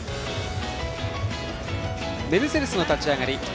メルセデスの立ち上がり。